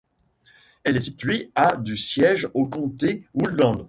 Elle est située à du siège au compté, Woodland.